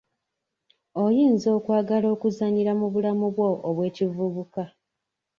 Oyinza okwagala okuzannyira mu bulamu bwo obw'ekivubuka.